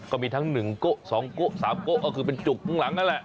ก็มีทั้ง๑โก๊๒โกะ๓โก๊ก็คือเป็นจุกข้างหลังนั่นแหละ